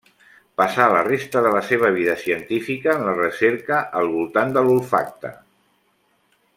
Passà la resta de la seva vida científica en la recerca al voltant de l'olfacte.